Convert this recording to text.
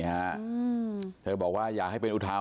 หรือหรือหรือ